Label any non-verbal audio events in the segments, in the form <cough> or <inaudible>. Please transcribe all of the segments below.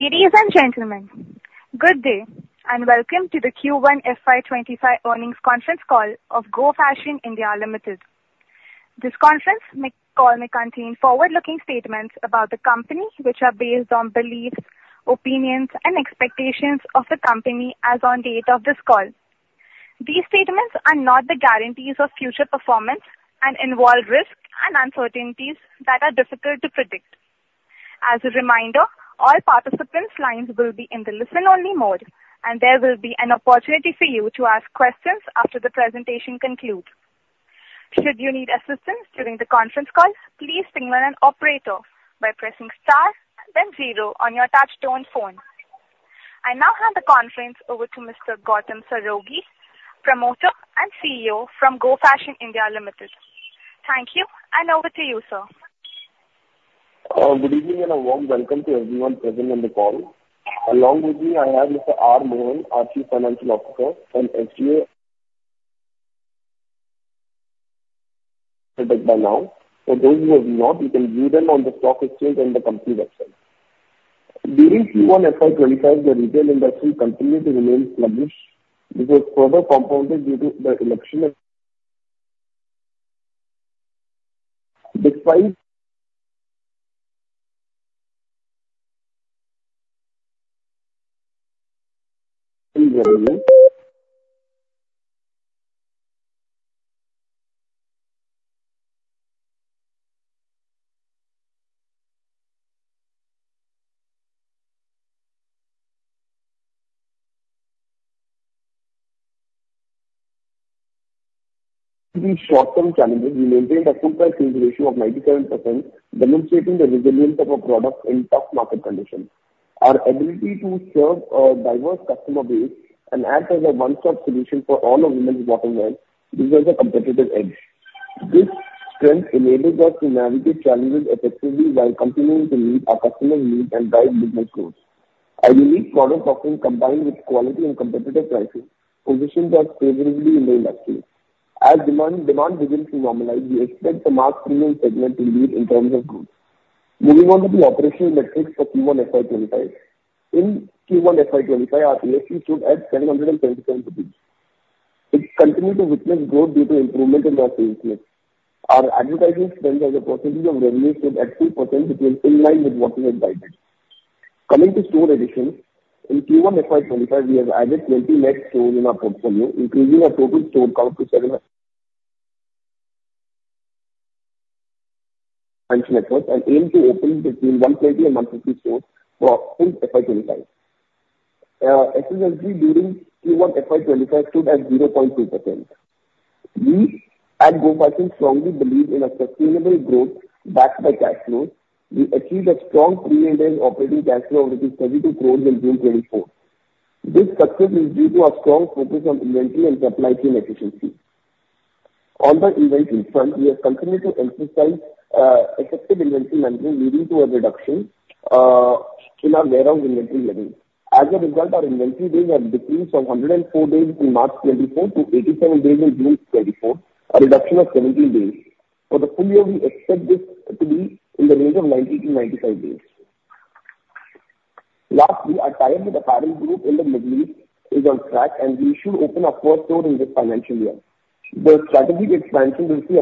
Ladies and gentlemen, good day and welcome to the Q1 FY25 earnings conference call of Go Fashion (India) Limited. This conference call may contain forward-looking statements about the company, which are based on beliefs, opinions, and expectations of the company as of the date of this call. These statements are not the guarantees of future performance and involve risks and uncertainties that are difficult to predict. As a reminder, all participants' lines will be in the listen-only mode, and there will be an opportunity for you to ask questions after the presentation concludes. Should you need assistance during the conference call, please ping on an operator by pressing star then zero on your touch-tone phone. I now hand the conference over to Mr. Gautam Saraogi, promoter and CEO from Go Fashion (India) Limited. Thank you, and over to you, sir. Good evening and a warm welcome to everyone present on the call. Along with me, I have Mr. R. Mohan, our Chief Financial Officer, and SGA presentation by now. For those who have not, you can view them on the stock exchange and the company website. During Q1 FY25, the retail industry continued to remain sluggish, which was further compounded due to the election. Despite these short-term challenges, we maintained a Full Price Sales ratio of 97%, demonstrating the resilience of our product in tough market conditions. Our ability to serve a diverse customer base and act as a one-stop solution for all of women's bottom wear gives us a competitive edge. This strength enables us to navigate challenges effectively while continuing to meet our customers' needs and guide business growth. Our unique product offering, combined with quality and competitive pricing, positions us favorably in the industry. As demand begins to normalize, we expect our premium segment to lead in terms of growth. Moving on to the operational metrics for Q1 FY25. In Q1 FY25, our ASP stood at 727 rupees. It continued to witness growth due to improvement in our sales mix. Our advertising spend as a percentage of revenue stood at 2%, which was in line with what we had guided. Coming to store additions, in Q1 FY25, we have added 20 net stores in our portfolio, increasing our total store count to 700. We aim to open between 120 and 150 stores for FY25. Our SSG during Q1 FY25 stood at 0.2%. We, at Go Fashion, strongly believe in a sustainable growth backed by cash flows. We achieved a strong pre-Ind AS 116 operating cash flow of INR 32 crore in June 2024. This success is due to our strong focus on inventory and supply chain efficiency. On the inventory front, we have continued to emphasize effective inventory management, leading to a reduction in our warehouse inventory levels. As a result, our inventory days have decreased from 104 days in March 2024 to 87 days in June 2024, a reduction of 17 days. For the full year, we expect this to be in the range of 90-95 days. Lastly, our tie-in with Apparel Group in the Middle East is on track, and we should open our first store in this financial year. The strategic expansion will see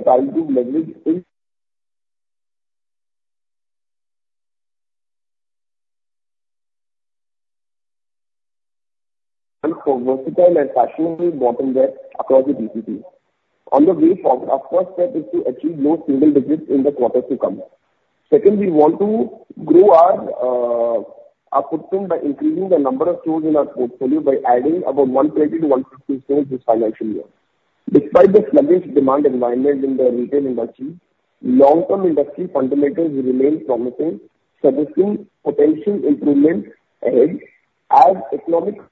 Apparel Group leverage its for versatile and fashionable bottom wear across the GCC. On the SSG front, our first step is to achieve low single digits in the quarters to come. Second, we want to grow our footprint by increasing the number of stores in our portfolio by adding about 120-150 stores this financial year. Despite the sluggish demand environment in the retail industry, long-term industry fundamentals remain promising, suggesting potential improvements ahead as economics.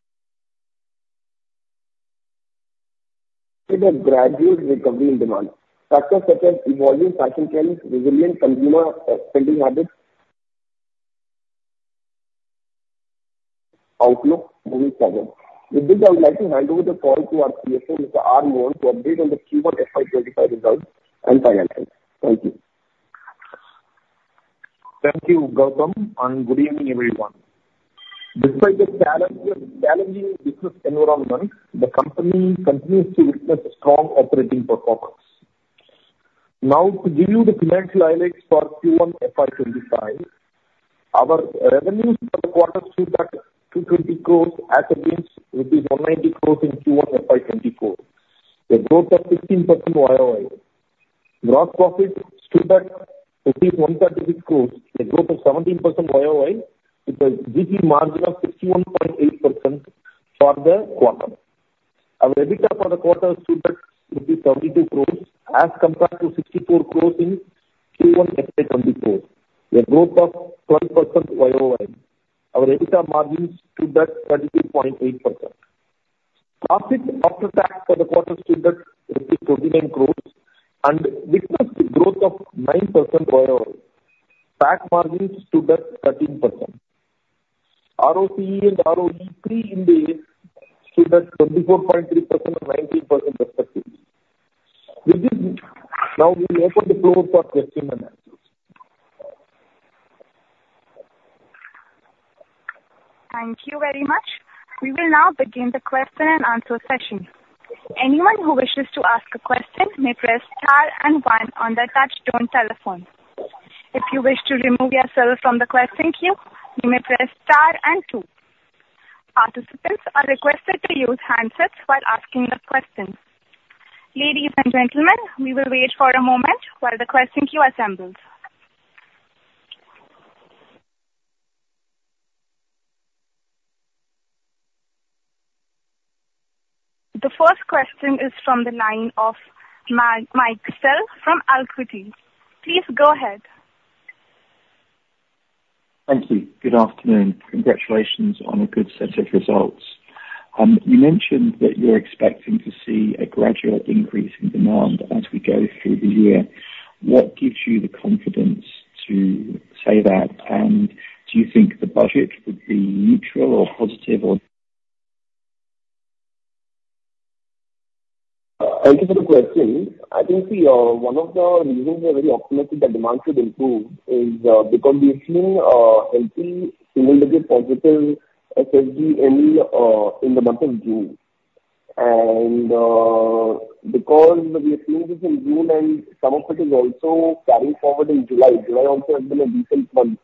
With a gradual recovery in demand, factors such as evolving fashion trends, resilient consumer spending habits. Outlook moving forward. With this, I would like to hand over the call to our CFO, Mr. R. Mohan, to update on the Q1 FY25 results and finances. Thank you. Thank you, Gautam, and good evening, everyone. Despite the challenging business environment, the company continues to witness strong operating performance. Now, to give you the financial highlights for Q1 FY25, our revenues for the quarter stood at 220 crores again, which is rupees 190 crores in Q1 FY24. The growth of 16% YoY. Gross profit stood at rupees 136 crores, a growth of 17% YoY, with a gross margin of 61.8% for the quarter. Our EBITDA for the quarter stood at 32 crores, as compared to 64 crores in Q1 FY24. The growth of 12% YoY. Our EBITDA margins stood at 32.8%. Profit after tax for the quarter stood at 29 crores, and witnessed growth of 9% YoY. PAT margins stood at 13%. ROCE and ROE pre-Ind AS stood at 24.3% and 19% respectively. With this, now we open the floor for questions and answers. Thank you very much. We will now begin the question and answer session. Anyone who wishes to ask a question may press star and one on the touch-tone telephone. If you wish to remove yourself from the question queue, you may press star and two. Participants are requested to use handsets while asking the question. Ladies and gentlemen, we will wait for a moment while the question queue assembles. The first question is from the line of Mike Sell from Alquity. Please go ahead. Thank you. Good afternoon. Congratulations on a good set of results. You mentioned that you're expecting to see a gradual increase in demand as we go through the year. What gives you the confidence to say that? And do you think the budget would be neutral or positive or? Thank you for the question. I think one of the reasons we're very optimistic that demand should improve is because we're seeing healthy single-digit positive SSG in the month of June. And because we are seeing this in June, and some of it is also carrying forward in July. July also has been a decent month.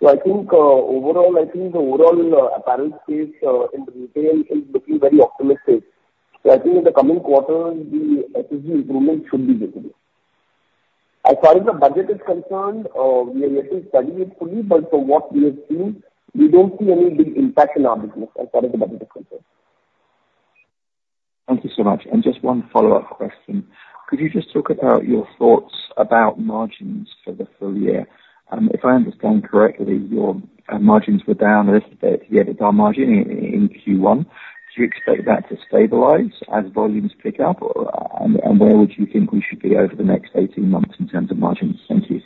So I think overall, I think the overall Apparel space in retail is looking very optimistic. So I think in the coming quarters, the SSG improvement should be visible. As far as the budget is concerned, we are yet to study it fully, but from what we have seen, we don't see any big impact in our business as far as the budget is concerned. Thank you so much. Just one follow-up question. Could you just talk about your thoughts about margins for the full year? If I understand correctly, your margins were down a little bit, yet they are marginal in Q1. Do you expect that to stabilize as volumes pick up? Where would you think we should be over the next 18 months in terms of margins? Thank you.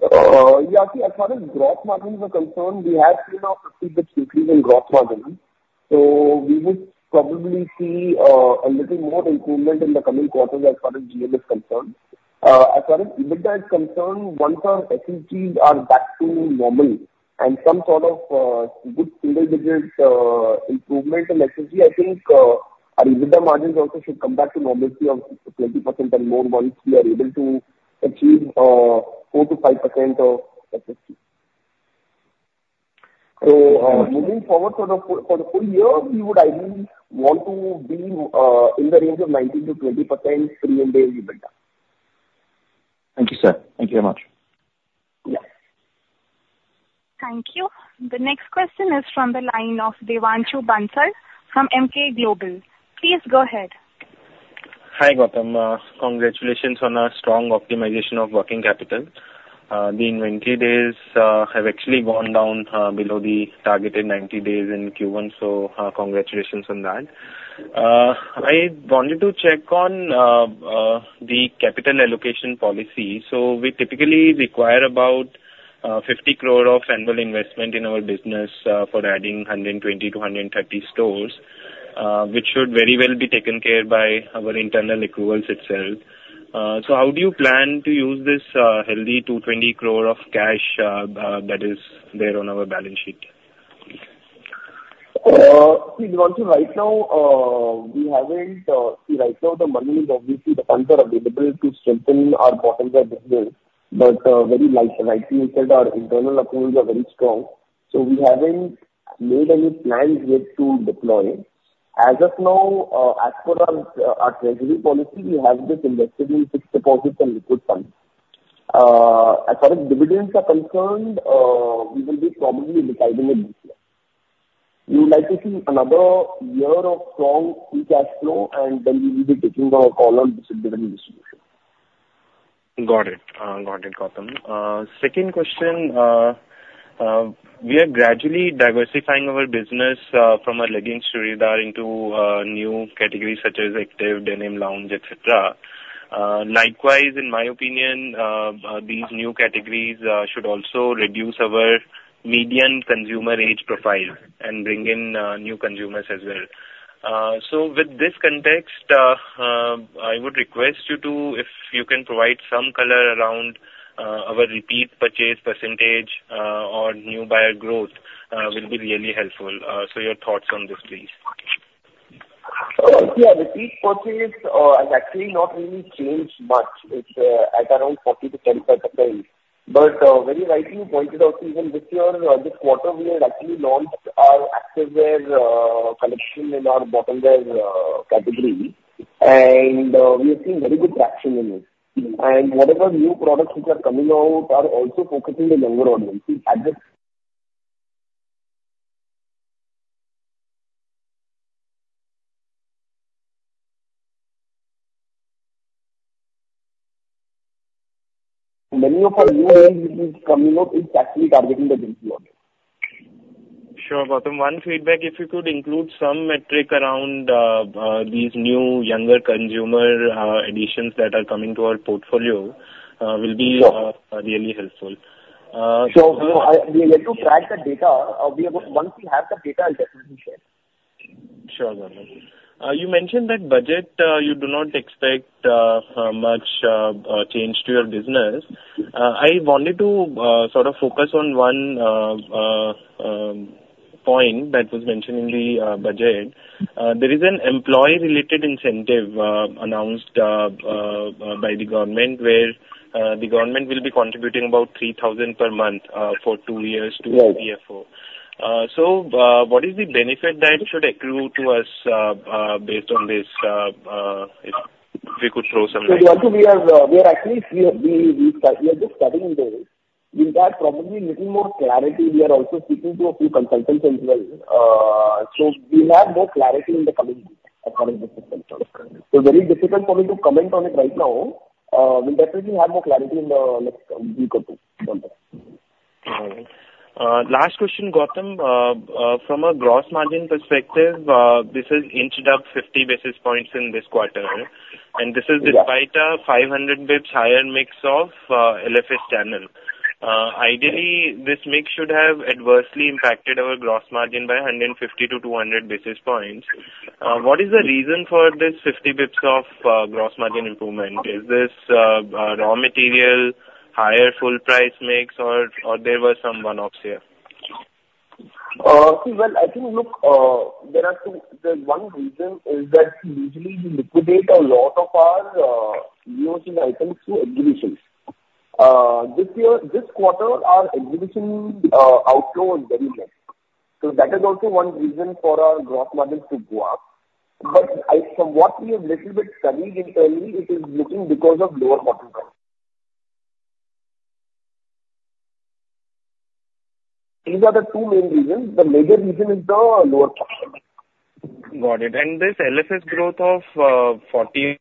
Yeah, as far as gross margins are concerned, we have seen a bit of decrease in gross margins. We would probably see a little more improvement in the coming quarters as far as GM is concerned. As far as EBITDA is concerned, once our SSGs are back to normal and some sort of good single-digit improvement in SSG, I think our EBITDA margins also should come back to normalcy of 20% and more once we are able to achieve 4%-5% of SSG. Moving forward for the full year, we would ideally want to be in the range of 19%-20% pre-Ind AS 116 EBITDA. Thank you, sir. Thank you very much. Yes. Thank you. The next question is from the line of Devanshu Bansal from Emkay Global. Please go ahead. Hi Gautam. Congratulations on a strong optimization of working capital. The inventory days have actually gone down below the targeted 90 days in Q1, so congratulations on that. I wanted to check on the capital allocation policy. So we typically require about 50 crore of annual investment in our business for adding 120-130 stores, which should very well be taken care of by our internal accruals itself. So how do you plan to use this healthy 220 crore of cash that is there on our balance sheet? See, Devanshu, right now, the money is obviously the funds are available to strengthen our bottom line business, but very likely we said our internal accruals are very strong. So we haven't made any plans yet to deploy. As of now, as per our treasury policy, we have this invested in fixed deposits and liquid funds. As far as dividends are concerned, we will be probably deciding it this year. We would like to see another year of strong key cash flow, and then we will be taking a call on the dividend distribution. Got it. Got it, Gautam. Second question, we are gradually diversifying our business from our leggings to [wading] into new categories such as active, denim, lounge, etc. Likewise, in my opinion, these new categories should also reduce our median consumer age profile and bring in new consumers as well. So with this context, I would request you to, if you can provide some color around our repeat purchase percentage or new buyer growth, will be really helpful. Your thoughts on this, please. Yeah, repeat purchase has actually not really changed much. It's at around 40%-10%. But very rightly, you pointed out, even this year, this quarter, we have actually launched our activewear collection in our bottom wear category, and we have seen very good traction in it. And whatever new products which are coming out are also focusing on the younger audience. Many of our new releases coming out is actually targeting the younger audience. Sure, Gautam. One feedback, if you could include some metric around these new younger consumer additions that are coming to our portfolio will be really helpful. Sure. We are yet to track the data. Once we have the data, I'll definitely share. Sure, Gautam. You mentioned that budget, you do not expect much change to your business. I wanted to sort of focus on one point that was mentioned in the budget. There is an employee-related incentive announced by the government where the government will be contributing about 3,000 per month for two years to the EPFO. So what is the benefit that should accrue to us based on this if we could throw some light? See, Gautam, we are actually just starting today. We've had probably a little more clarity. We are also speaking to a few consultants as well. So we'll have more clarity in the coming week as far as this is concerned. So very difficult for me to comment on it right now. We'll definitely have more clarity in the next week or two. All right. Last question, Gautam. From a gross margin perspective, this has inched up 50 basis points in this quarter. This is despite a 500 basis points higher mix of LFS channel. Ideally, this mix should have adversely impacted our gross margin by 150 to 200 basis points. What is the reason for this 50 basis points of gross margin improvement? Is this raw material higher full price mix, or there were some one-offs here? See, well, I think, look, there are two there's one reason is that usually we liquidate a lot of our SKUs and items through exhibitions. This quarter, our exhibition outflow was very low. So that is also one reason for our gross margin to go up. But from what we have a little bit studied internally, it is looking because of lower bottom line. These are the two main reasons. The major reason is the lower bottom line. Got it. This LFS growth of 40.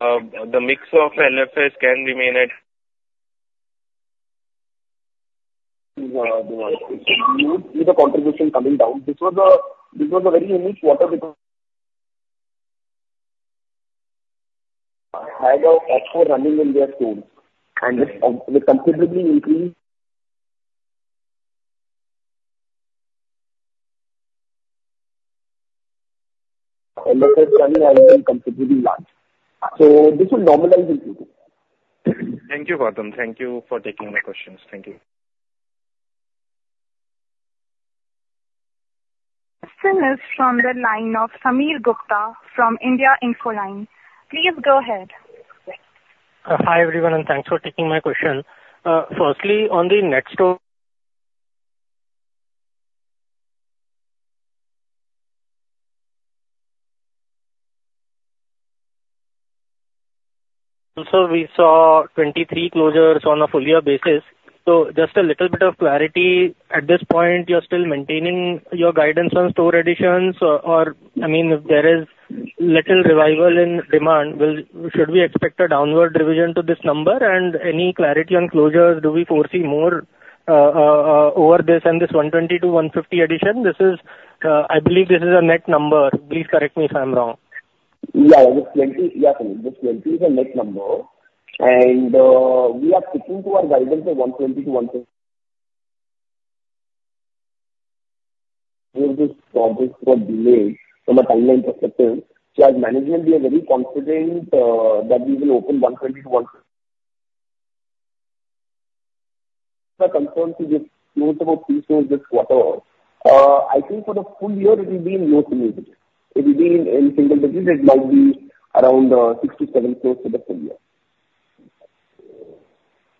The mix of LFS can remain at. See, the contribution coming down. This was a very unique quarter because I had an offer running in their stores. It will considerably increase. LFS channel has been considerably large. This will normalize in Q2. Thank you, Gautam. Thank you for taking my questions. Thank you. Question is from the line of Sameer Gupta from India Infoline. Please go ahead. Hi everyone, and thanks for taking my question. Firstly, on the net also, we saw 23 closures on a full-year basis. So just a little bit of clarity. At this point, you're still maintaining your guidance on store additions? Or I mean, if there is little revival in demand, should we expect a downward revision to this number? And any clarity on closures? Do we foresee more over this and this 120-150 addition? I believe this is a net number. Please correct me if I'm wrong. Yeah, this 20, yeah, this 20 is a net number. And we are sticking to our guidance of 120 to. We have this project for delay from a timeline perspective. So as management, we are very confident that we will open 120-150. The concern to just close about three stores this quarter, I think for the full year, it will be no significant. It will be in single digits. It might be around 6-7 stores for the full year.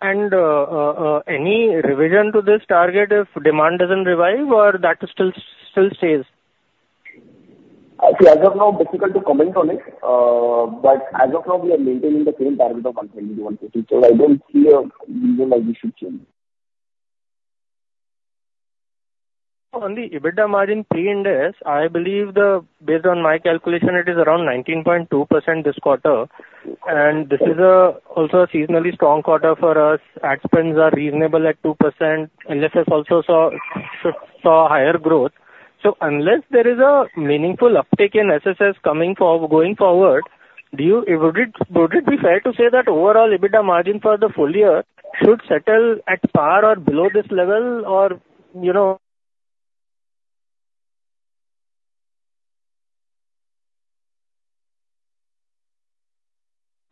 Any revision to this target if demand doesn't revive or that still stays? See, as of now, difficult to comment on it. As of now, we are maintaining the same target of 120-150. I don't see a reason why we should change. On the EBITDA margin pre-Ind AS, I believe the, based on my calculation, it is around 19.2% this quarter. This is also a seasonally strong quarter for us. Ad spends are reasonable at 2%. LFS also saw higher growth. So unless there is a meaningful uptake in SSS going forward, would it be fair to say that overall EBITDA margin for the full year should settle at par or below this level or?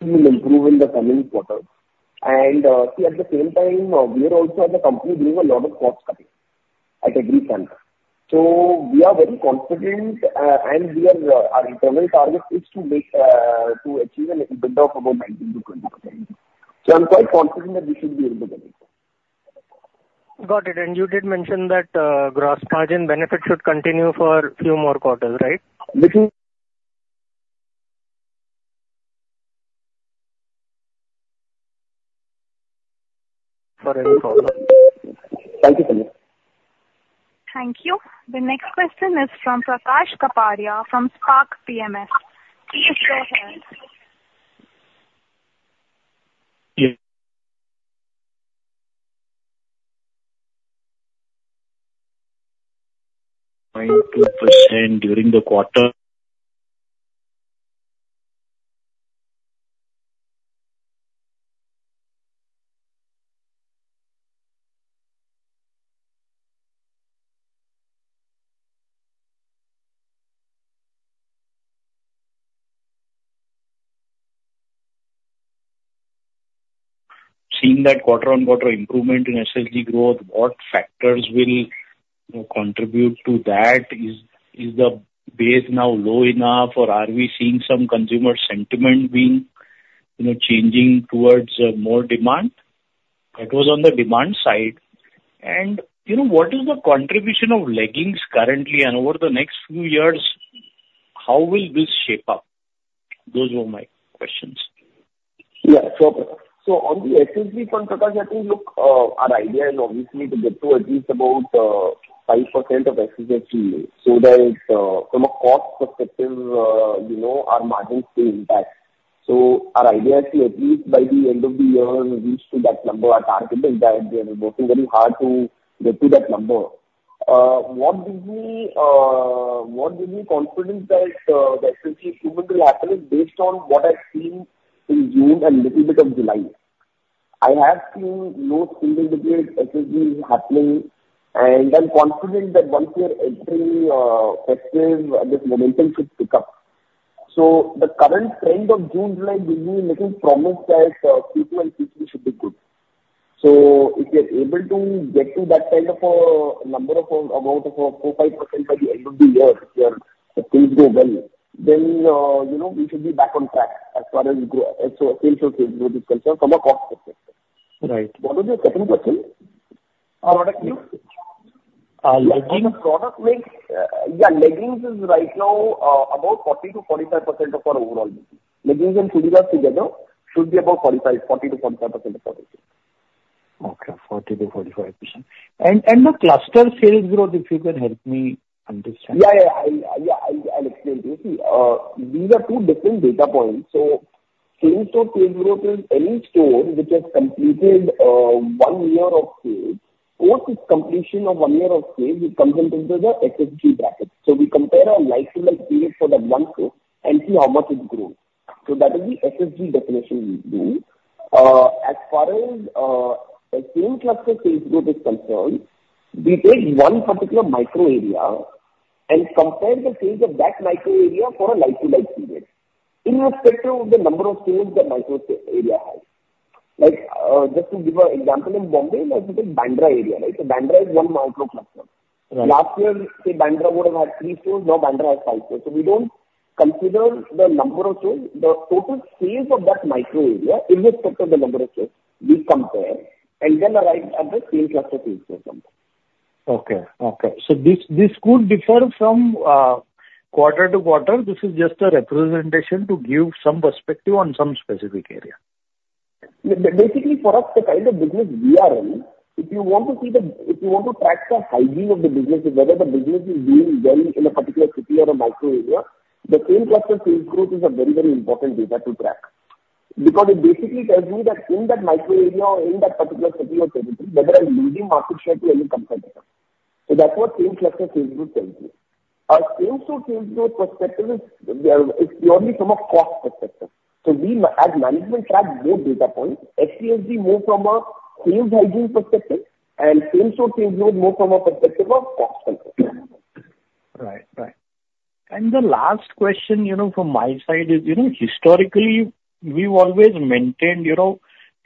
Will improve in the coming quarter. See, at the same time, we are also as a company doing a lot of cost-cutting at every channel. We are very confident, and our internal target is to achieve an EBITDA of about 19%-20%. I'm quite confident that we should be able to get it. Got it. And you did mention that gross margin benefit should continue for a few more quarters, right? Which is. For any problem. Thank you, Sameer. Thank you. The next question is from Prakash Kapadia from Spark PWM. Please go ahead. 92% during the quarter. Seen that quarter-on-quarter improvement in SSG growth, what factors will contribute to that? Is the base now low enough, or are we seeing some consumer sentiment being changing towards more demand? That was on the demand side. And what is the contribution of leggings currently, and over the next few years, how will this shape up? Those were my questions. Yeah, so on the SSG front, Prakash, I think, look, our idea is obviously to get to at least about 5% of SSS, so that from a cost perspective, our margins stay intact. So our idea is to at least by the end of the year reach to that number. Our target is that we are working very hard to get to that number. What gives me confidence that the SSG improvement will happen is based on what I've seen in June and a little bit of July. I have seen no single-digit SSGs happening, and I'm confident that once we are entering festive, this momentum should pick up. So the current trend of June-July gives me a little promise that Q2 and Q3 should be good. So if we are able to get to that kind of a number of about 4%-5% by the end of the year, if things go well, then we should be back on track as far as sales growth is concerned from a cost perspective. Right. What was your second question? Product mix? Leggings? Yeah, leggings is right now about 40%-45% of our overall leggings. Leggings and hoodies together should be about 40%-45% of our leggings. Okay, 40%-45%. The cluster sales growth, if you can help me understand? Yeah, yeah, I'll explain. See, these are two different data points. So sales or sales growth is any store which has completed one year of sales. Post its completion of one year of sales, it comes into the SSG bracket. So we compare our like-to-like period for that one store and see how much it's grown. So that is the SSG definition we do. As far as the same cluster sales growth is concerned, we take one particular micro area and compare the sales of that micro area for a like-to-like period in respect to the number of stores that micro area has. Just to give an example, in Bombay, let's look at Bandra area, right? So Bandra is one micro cluster. Last year, say Bandra would have had 3 stores. Now Bandra has 5 stores. So we don't consider the number of stores. The total sales of that micro area in respect to the number of stores, we compare and then arrive at the Same Cluster Sales Growth number. Okay, okay. This could differ from quarter to quarter. This is just a representation to give some perspective on some specific area. Basically, for us, the kind of business we are in, if you want to track the hygiene of the business, whether the business is doing well in a particular city or a micro area, the same cluster sales growth is a very, very important data to track. Because it basically tells me that in that micro area or in that particular city or territory, whether I'm losing market share to any competitor. So that's what same cluster sales growth tells you. Our same store sales growth perspective is purely from a cost perspective. So we, as management, track both data points. SCSG more from a sales hygiene perspective and same store sales growth more from a perspective of cost perspective. Right, right. And the last question from my side is, historically, we've always maintained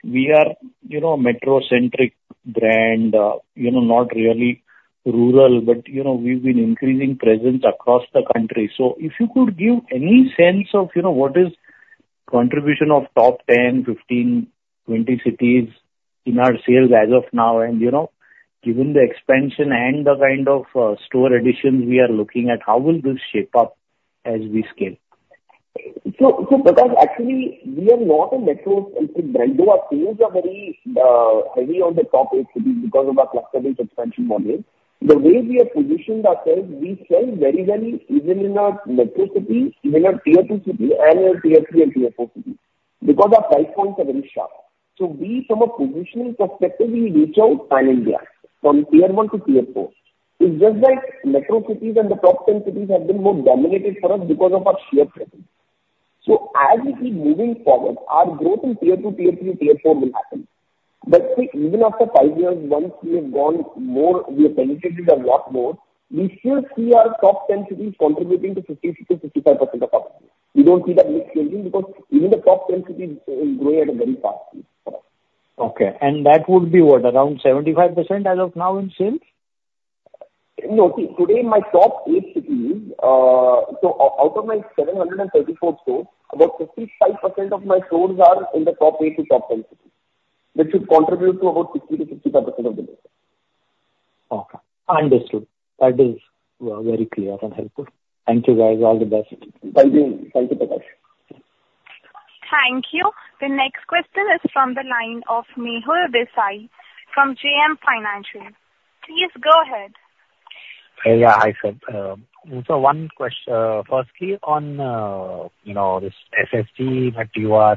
we are a metro-centric brand, not really rural, but we've been increasing presence across the country. So if you could give any sense of what is the contribution of top 10, 15, 20 cities in our sales as of now, and given the expansion and the kind of store additions we are looking at, how will this shape up as we scale? So, Prakash, actually, we are not a metro-centric brand. Though our stores are very heavy on the top eight cities because of our cluster-based expansion model, the way we have positioned ourselves, we sell very, very even in a metro city, even a tier two city, and a tier three and tier four city. Because our price points are very sharp. So we, from a positioning perspective, we reach out pan-India from tier one to tier four. It's just that metro cities and the top 10 cities have been more dominated for us because of our share presence. So as we keep moving forward, our growth in tier two, tier three, tier four will happen. But see, even after five years, once we have gone more, we have penetrated a lot more, we still see our top 10 cities contributing to 50%-65% of our sales. We don't see that much changing because even the top 10 cities are growing at a very fast rate for us. Okay. That would be what, around 75% as of now in sales? No, see, today my top 8 cities, so out of my 734 stores, about 55% of my stores are in the top 8 to top 10 cities, which should contribute to about 60%-65% of the business. Okay. Understood. That is very clear and helpful. Thank you, guys. All the best. Thank you, Prakash. Thank you. The next question is from the line of Mehul Desai from JM Financial. Please go ahead. Yeah, hi sir. So one question, firstly, on this SSG that you are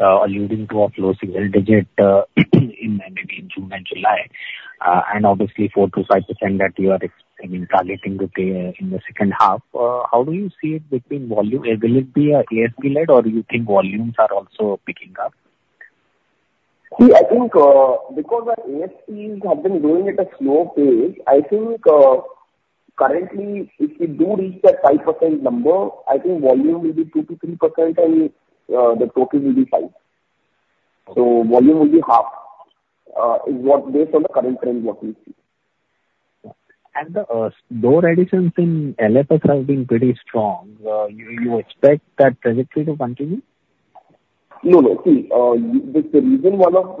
alluding to of low single digit in June and July, and obviously 4%-5% that you are targeting to pay in the second half, how do you see it between volume? Will it be ASP-led, or do you think volumes are also picking up? See, I think because our ASPs have been growing at a slow pace, I think currently, if we do reach that 5% number, I think volume will be 2%-3%, and the total will be 5%. So volume will be half based on the current trend what we see. The store additions in LFS have been pretty strong. You expect that trajectory to continue? No, no. See, the reason one of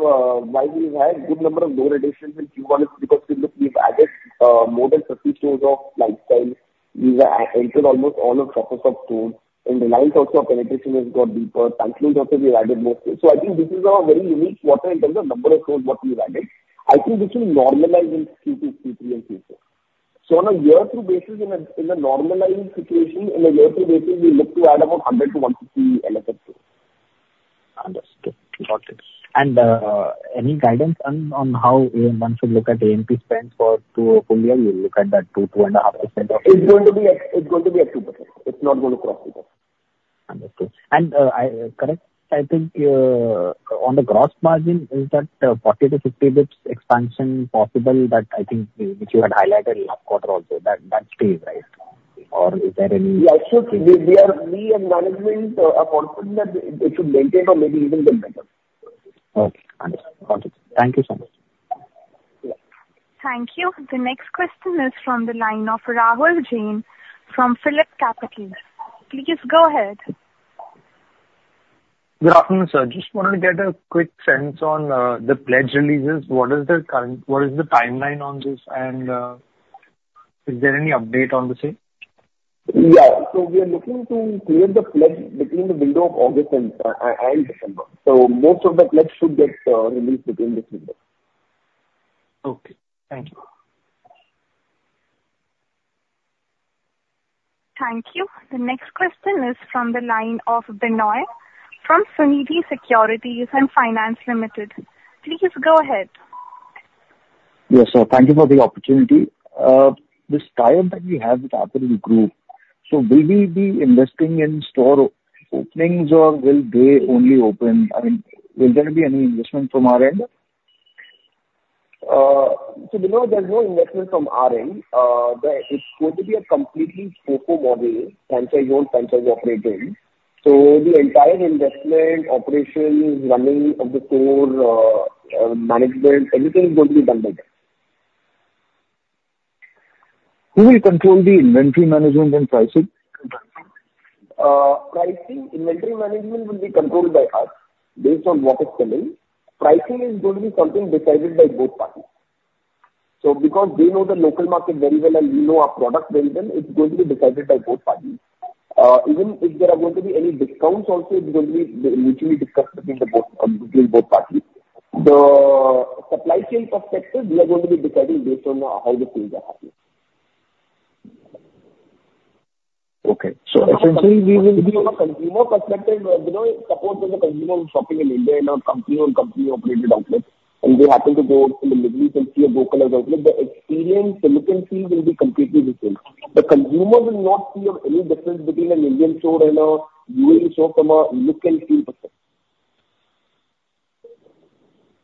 why we've had a good number of store additions in Q1 is because we've added more than 30 stores of Lifestyle. We've entered almost all of Shoppers Stop stores, and the lines also of penetration have got deeper. Thankfully, we've added most of it. So I think this is a very unique quarter in terms of number of stores what we've added. I think this will normalize in Q2, Q3, and Q4. So on a year-to-basis, in a normalizing situation, in a year-to-basis, we look to add about 100-150 LFS stores. Understood. Got it. And any guidance on how one should look at A&P spend for full year? You look at that 2%-2.5%? It's going to be at 2%. It's not going to cross because. Understood. And correct, I think, on the gross margin, is that 40-50 basis points expansion possible that I think which you had highlighted last quarter also, that stays, right? Or is there any? Yeah, sure. See, we and management are confident that it should maintain or maybe even get better. Okay. Understood. Got it. Thank you so much. Thank you. The next question is from the line of Rahul Jain from PhillipCapital. Please go ahead. Good afternoon, sir. Just wanted to get a quick sense on the pledge releases. What is the timeline on this, and is there any update on the sale? Yeah. So we are looking to clear the pledge between the window of August and December. Most of the pledge should get released between this window. Okay. Thank you. Thank you. The next question is from the line of Binoy from Sunidhi Securities & Finance. Please go ahead. Yes, sir. Thank you for the opportunity. This time that we have with Apparel Group, so will we be investing in store openings, or will they only open? I mean, will there be any investment from our end? Binoy, there's no investment from our end. It's going to be a completely FOFO model, franchise-owned franchise operated. The entire investment, operations, running of the store, management, everything is going to be done by them. Who will control the inventory management and pricing? Pricing, inventory management will be controlled by us based on what is selling. Pricing is going to be something decided by both parties. So because they know the local market very well and we know our product well then, it's going to be decided by both parties. Even if there are going to be any discounts also, it's going to be mutually discussed between both parties. The supply chain perspective, we are going to be deciding based on how the sales are happening. Okay. So essentially, we will be. From a consumer perspective, Binoy, suppose there's a consumer who's shopping in India in a company-owned company-operated outlet, and they happen to go to the Middle East and see a local outlet, the experience, the look and feel will be completely different. The consumer will not see any difference between an Indian store and a UAE store from a look and feel perspective.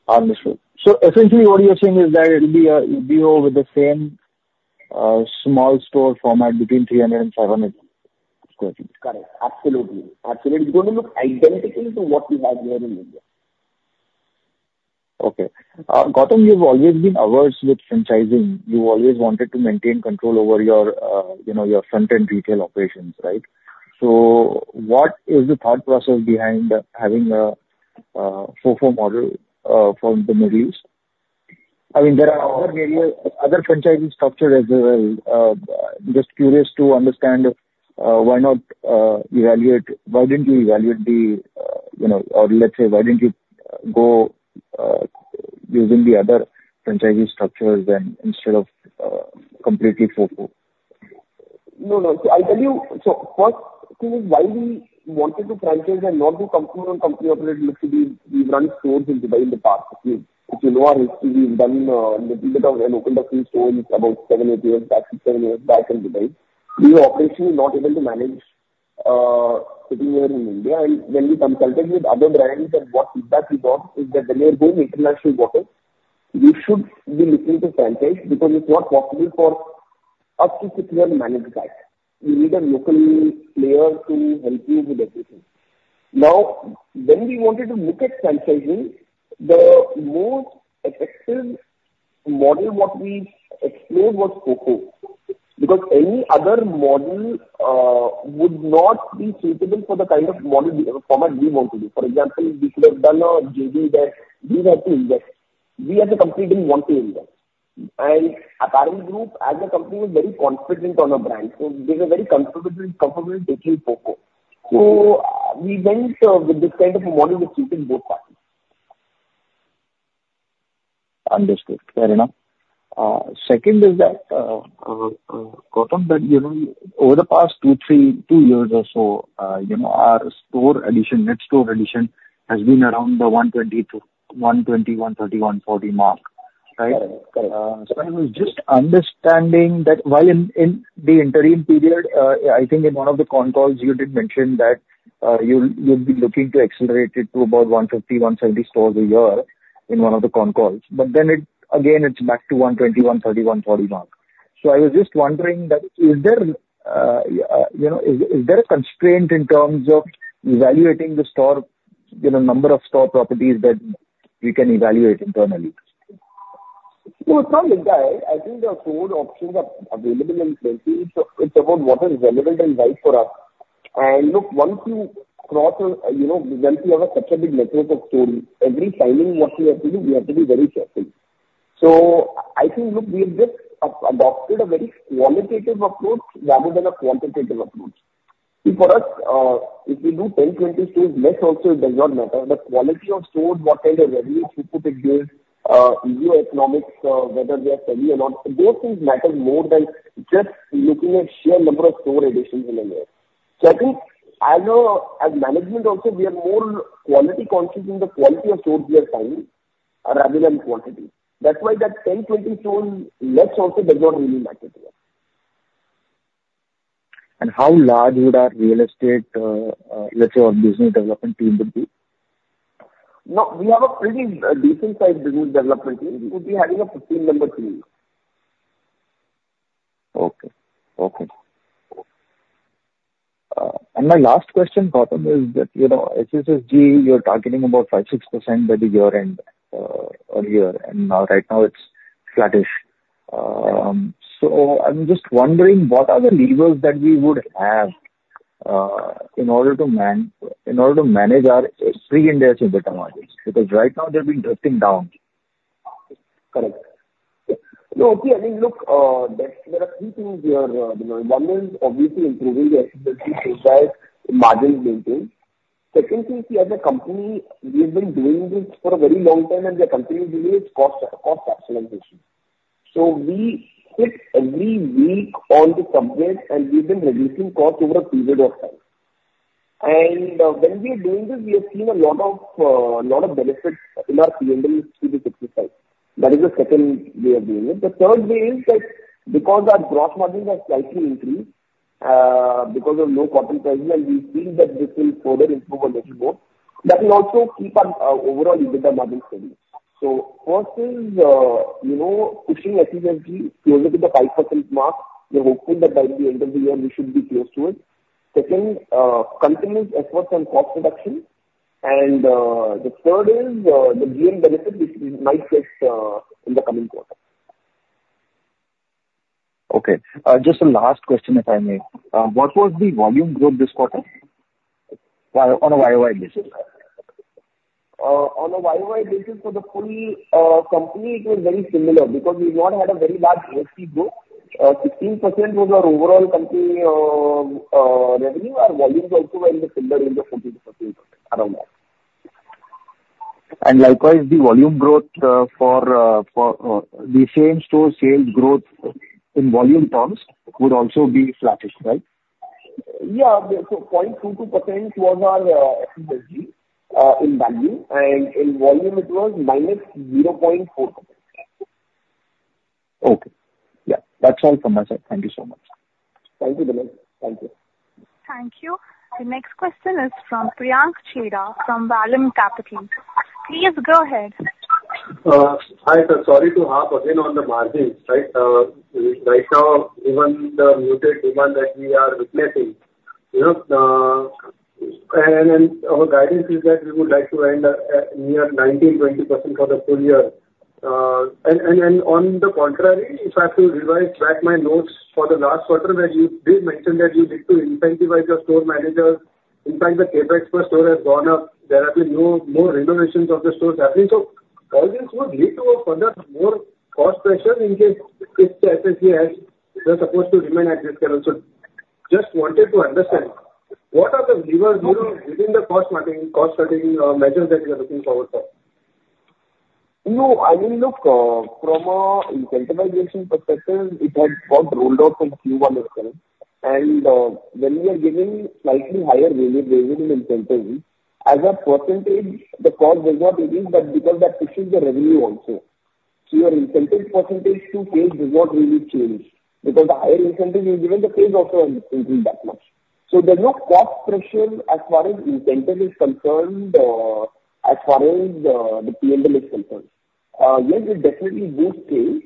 Understood. So essentially, what you're saying is that it will be over the same small store format between 300-500 sq ft? Correct. Absolutely. Absolutely. It's going to look identical to what we have here in India. Okay. Gautam, you've always been averse with franchising. You've always wanted to maintain control over your front-end retail operations, right? So what is the thought process behind having a FOFO model from the Middle East? I mean, there are other franchisees structured as well. Just curious to understand let's say, why didn't you go using the other franchisee structures instead of completely FOFO? No, no. So I'll tell you. So first thing is why we wanted to franchise and not do company-owned company-operated. Look to be we've run stores in Dubai in the past. If you know our history, we've done a little bit of local stores about 7, 8 years back to 7 years back in Dubai. We were operationally not able to manage sitting here in India. And when we consulted with other brands and what feedback we got is that when you're going international waters, you should be looking to franchise because it's not possible for us to sit here and manage that. You need a local player to help you with everything. Now, when we wanted to look at franchising, the most effective model what we explored was FOFO. Because any other model would not be suitable for the kind of model format we wanted to do. For example, we could have done a joint invest. We had to invest. We as a company didn't want to invest. Apparel Group, as a company, was very confident on our brand. So they were very comfortable taking FOFO. So we went with this kind of model which suited both parties. Understood. Fair enough. Second is that, Gautam, that over the past two, three years or so, our store addition, net store addition, has been around the 120, 130, 140 mark, right? Correct. Correct. So I was just understanding that while in the interim period, I think in one of the con calls, you did mention that you'd be looking to accelerate it to about 150-170 stores a year in one of the con calls. But then again, it's back to 120-140 mark. So I was just wondering that is there a constraint in terms of evaluating the number of store properties that we can evaluate internally? No, it's not like that. I think the store options are available and plenty. So it's about what is relevant and right for us. And look, once you cross 100 we have such a big network of stores, every time what we have to do, we have to be very careful. So I think, look, we have just adopted a very qualitative approach rather than a quantitative approach. See, for us, if we do 10, 20 stores less also, it does not matter. The quality of stores, what kind of revenue it could give, unit economics, whether they are selling or not, those things matter more than just looking at sheer number of store additions in a year. So I think as management also, we are more quality conscious in the quality of stores we are selling rather than quantity. That's why that 10, 20 stores less also does not really matter to us. How large would our real estate, let's say, our business development team would be? No, we have a pretty decent-sized business development team. We would be having a 15-member team. Okay. Okay. And my last question, Gautam, is that SSSG, you're targeting about 5%-6% by the year-end or year, and right now it's flattish. So I'm just wondering what are the levers that we would have in order to manage our pre-Ind AS and EBITDA margins? Because right now they've been drifting down. Correct. No, okay. I mean, look, there are three things here. One is obviously improving the efficiency so that margins maintain. Second thing, see, as a company, we have been doing this for a very long time, and we are continuing to do it; it's cost actualization. So we sit every week on the subject, and we've been reducing costs over a period of time. And when we are doing this, we have seen a lot of benefits in our P&L through this exercise. That is the second way of doing it. The third way is that because our gross margins have slightly increased because of low cotton prices, and we feel that this will further improve our [network] that will also keep our overall EBITDA margin steady. So first is pushing efficiency closer to the 5% mark. We're hopeful that by the end of the year, we should be close to it. Second, continuous efforts on cost reduction. And the third is the GM benefit which we might get in the coming quarter. Okay. Just a last question, if I may. What was the volume growth this quarter on a YoY basis? On a YoY basis for the full company, it was very similar because we've not had a very large ASP growth. 15% was our overall company revenue. Our volumes also were in the similar range of 14%, around that. Likewise, the volume growth for the same store sales growth in volume terms would also be flattish, right? Yeah. So +0.22% was our efficiency in value, and in volume, it was -0.4%. Okay. Yeah. That's all from my side. Thank you so much. Thank you, Binoy. Thank you. Thank you. The next question is from Priyank Chheda from Vallum Capital. Please go ahead. Hi, sir. Sorry to harp again on the margins, right? Right now, given the muted demand that we are witnessing, and our guidance is that we would like to end near 19%-20% for the full year. And on the contrary, if I have to revise back my notes for the last quarter, where you did mention that you need to incentivize your store managers. In fact, the CapEx per store has gone up. There have been no more renovations of the stores happening. So all this would lead to a furthermore cost pressure in case SSSG has the support to remain at this level. So just wanted to understand what are the levers within the cost cutting measures that you are looking forward to? No, I mean, look, from an incentivization perspective, it has got rolled out from Q1 as well. When we are giving slightly higher revenue incentives, as a percentage, the cost does not increase, but because that pushes the revenue also. Your incentive percentage to sales does not really change because the higher incentive you've given the sales also has increased that much. So there's no cost pressure as far as incentive is concerned, as far as the P&L is concerned. Yes, it definitely boosts sales.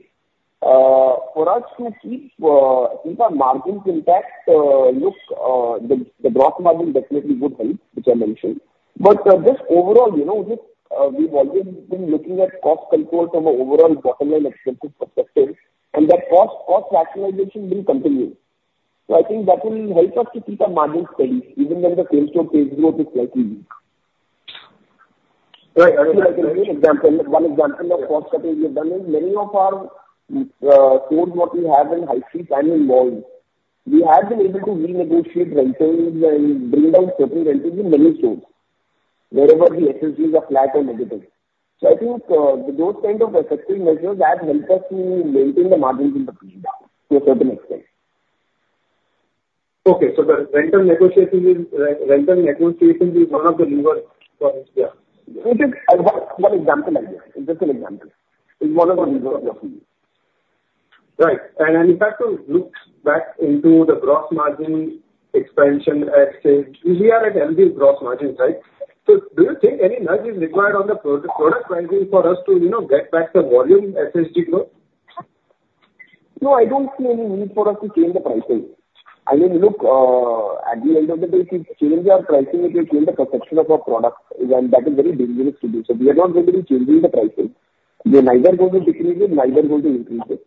For us to keep our margins intact, look, the gross margin definitely would help, which I mentioned. But just overall, we've always been looking at cost control from an overall bottom-line expenses perspective, and that cost optimization will continue. So I think that will help us to keep our margins steady even when the same store sales growth is slightly weak. Right. See, I can give you an example. One example of cost cutting we have done is many of our stores what we have in high streets and in malls, we have been able to renegotiate rentals and bring down certain rentals in many stores wherever the SSGs are flat or negative. So I think those kinds of effective measures have helped us to maintain the margins in the future to a certain extent. Okay. So the rental negotiation is one of the levers for SSG. One example like that. Just an example. It's one of the levers of your fees. Right. And in fact, look back into the gross margin expansion at scale. We are at low gross margins, right? So do you think any nudge is required on the product pricing for us to get back the volume SSG growth? No, I don't see any need for us to change the pricing. I mean, look, at the end of the day, if we change our pricing, it will change the perception of our product, and that is very dangerous to do. So we are not really changing the pricing. They neither going to decrease it, neither going to increase it.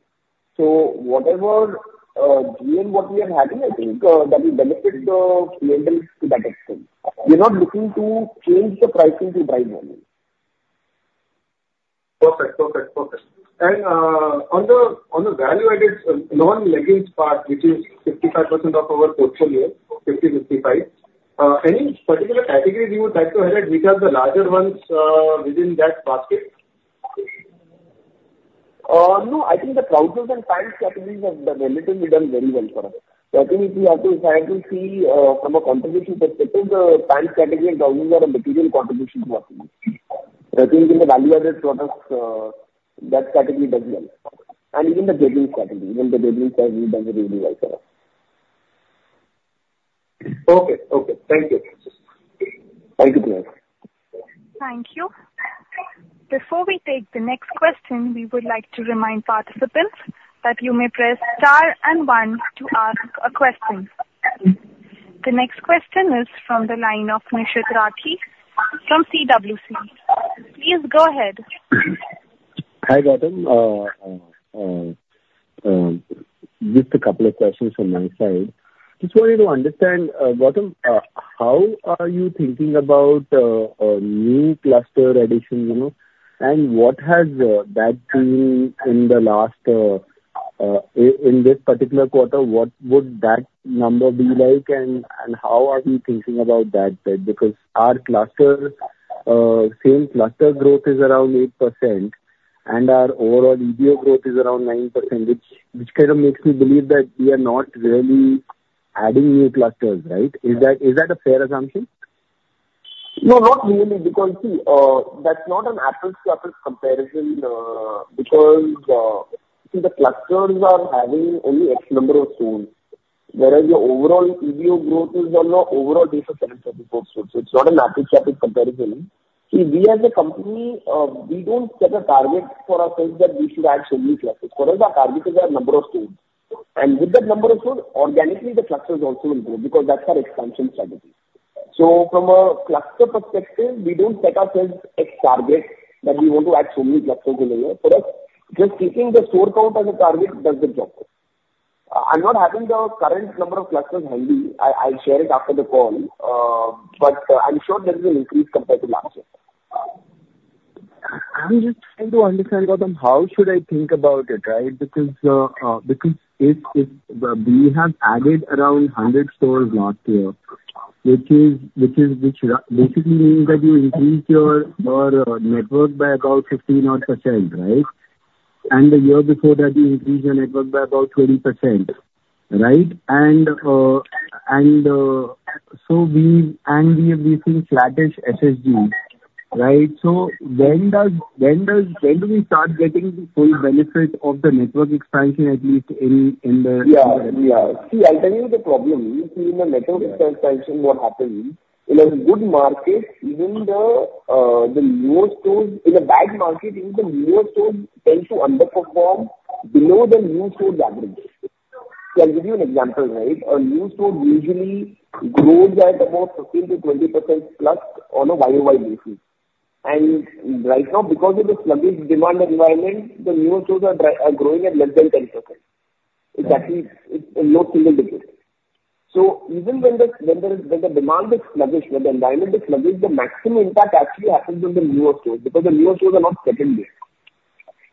So whatever GM what we are having, I think that will benefit the P&L to that extent. We are not looking to change the pricing to drive revenue. Perfect. Perfect. Perfect. And on the value-added non-leggings part, which is 55% of our portfolio, 50, 55, any particular categories you would like to highlight which are the larger ones within that basket? No, I think the trousers and pants categories have relatively done very well for us. I think if we have to try to see from a contribution perspective, the pants category and trousers are a material contribution to our sales. I think in the value-added products, that category does well. Even the bottom category, even the bottom category does really well for us. Okay. Okay. Thank you. Thank you, Priyank. Thank you. Before we take the next question, we would like to remind participants that you may press star and one to ask a question. The next question is from the line of Nishit Rathi from CWC. Please go ahead. Hi, Gautam. Just a couple of questions from my side. Just wanted to understand, Gautam, how are you thinking about new cluster additions, and what has that been in the last in this particular quarter? What would that number be like, and how are we thinking about that? Because our cluster, same cluster growth is around 8%, and our overall EBITDA growth is around 9%, which kind of makes me believe that we are not really adding new clusters, right? Is that a fair assumption? No, not really. Because see, that's not an apples-to-apples comparison because see, the clusters are having only X number of stores, whereas the overall EBITDA growth is on the overall base of 734 stores. So it's not an apples-to-apples comparison. See, we as a company, we don't set a target for ourselves that we should add so many clusters. For us, our target is our number of stores. And with that number of stores, organically, the clusters also will grow because that's our expansion strategy. So from a cluster perspective, we don't set ourselves X target that we want to add so many clusters in a year. For us, just keeping the store count as a target does the job. I'm not having the current number of clusters handy. I'll share it after the call. But I'm sure there is an increase compared to last year. I'm just trying to understand, Gautam, how should I think about it, right? Because if we have added around 100 stores last year, which basically means that you increased your net worth by about 15-odd %, right? And the year before that, you increased your net worth by about 20%, right? And so we have these flat-ish SSGs, right? So when do we start getting the full benefit of the network expansion, at least in the? Yeah. Yeah. See, I'll tell you the problem. See, in the network expansion, what happens in a good market, even the newer stores in a bad market, even the newer stores tend to underperform below the new stores' average. So I'll give you an example, right? A new store usually grows at about 15%-20% plus on a YOY basis. And right now, because of the sluggish demand environment, the newer stores are growing at less than 10%. It's actually in low single digits. So even when the demand is sluggish, when the environment is sluggish, the maximum impact actually happens on the newer stores because the newer stores are not secondary.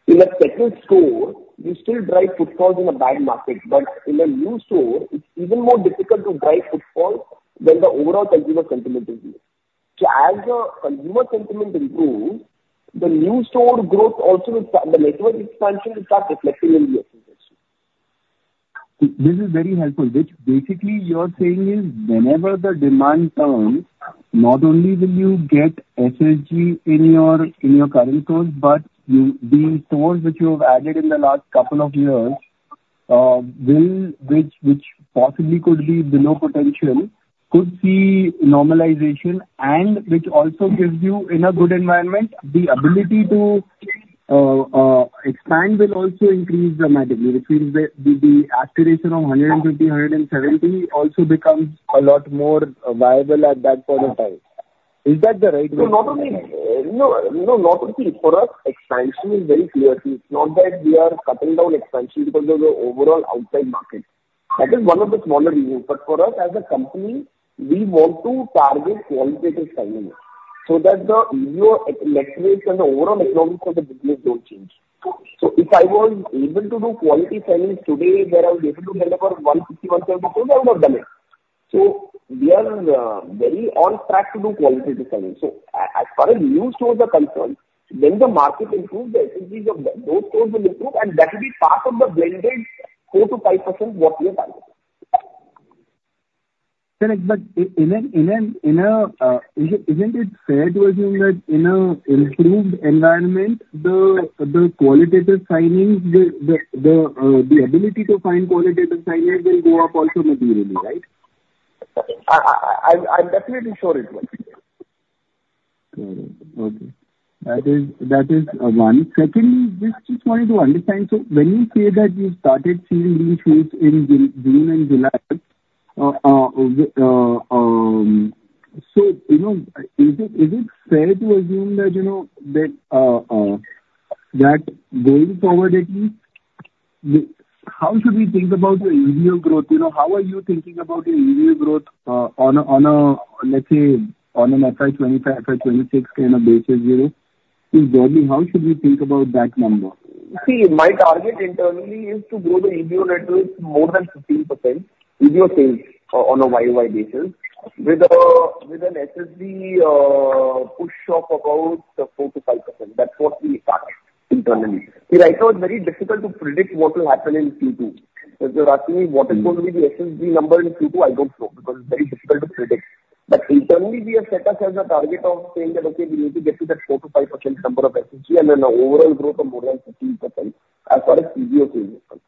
In a second store, you still drive footfalls in a bad market, but in a new store, it's even more difficult to drive footfalls than the overall consumer sentiment is here. As the consumer sentiment improves, the new store growth also will start, the network expansion will start reflecting in the SSG. This is very helpful. Basically, you're saying is whenever the demand turns, not only will you get SSG in your current stores, but the stores which you have added in the last couple of years, which possibly could be below potential, could see normalization, and which also gives you, in a good environment, the ability to expand will also increase dramatically, which means that the aspiration of 150, 170 also becomes a lot more viable at that point of time. Is that the right way to? No, not only. No, not only. For us, expansion is very clear. It's not that we are cutting down expansion because of the overall outside market. That is one of the smaller reasons. But for us as a company, we want to target qualitative selling so that the EBITDA metrics and the overall economics of the business don't change. So if I was able to do quality selling today where I was able to get about 150-170 stores, I would have done it. So we are very on track to do qualitative selling. So as far as new stores are concerned, when the market improves, the SSGs of those stores will improve, and that will be part of the blended 4%-5% what we are targeting. Priyank, isn't it fair to assume that in an improved environment, the qualitative signings, the ability to find qualitative signings will go up also materially, right? I'm definitely sure it will. Got it. Okay. That is one. Second, just wanted to understand, so when you say that you started seeing these shoots in June and July, so is it fair to assume that going forward, at least, how should we think about your EBITDA growth? How are you thinking about your EBITDA growth on, let's say, on an FY25, FY26 kind of basis? If there's any, how should we think about that number? See, my target internally is to grow the EBITDA margins to more than 15% of sales on a YOY basis with an SSG push of about 4%-5%. That's what we target internally. See, right now, it's very difficult to predict what will happen in Q2. So you're asking me what is going to be the SSG number in Q2? I don't know because it's very difficult to predict. But internally, we have set ourselves a target of saying that, okay, we need to get to that 4%-5% number of SSG and an overall growth of more than 15% of sales as far as EBITDA is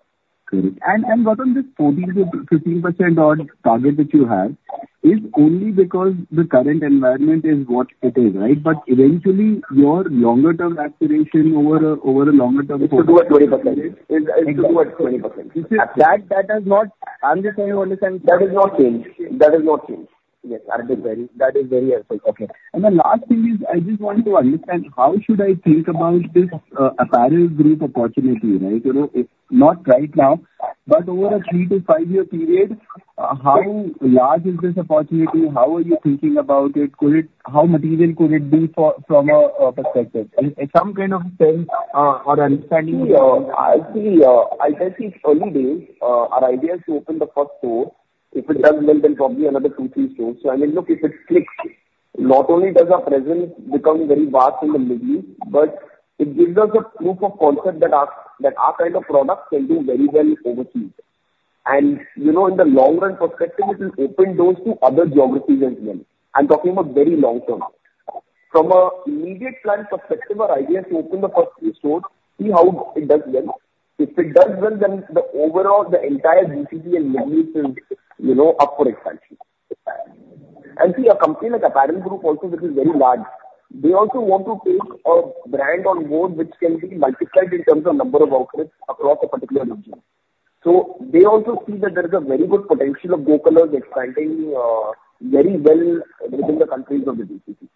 concerned. Correct. Gautam, this 14%-15% target that you have is only because the current environment is what it is, right? But eventually, your longer-term aspiration over a longer-term horizon. It's to do with 20%. It's to do with 20%. That does not. I'm just trying to understand. That has not changed. That has not changed. Yes, I'm just very, that is very helpful. Okay. And the last thing is I just want to understand how should I think about this Apparel Group opportunity, right? Not right now, but over a three- to five-year period, how large is this opportunity? How are you thinking about it? How material could it be from a perspective? Some kind of sense or understanding. See, I'll tell you, it's early days. Our idea is to open the first store. If it doesn't happen, probably another two, three stores. So I mean, look, if it clicks, not only does our presence become very vast in the Middle East, but it gives us a proof of concept that our kind of product can do very well overseas. In the long-run perspective, it will open doors to other geographies as well. I'm talking about very long-term. From an immediate plan perspective, our idea is to open the first three stores, see how it does well. If it does well, then the entire GCC and Middle East is up for expansion. And see, a company like Apparel Group also, which is very large, they also want to take a brand on board which can be multiplied in terms of number of outfits across a particular region. So they also see that there is a very good potential of Go Colors expanding very well within the countries of the GCC.